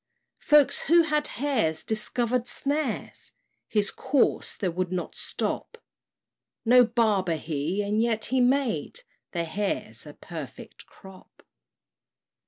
Folks who had hares discovered snares His course they could not stop: No barber he, and yet he made Their hares a perfect crop.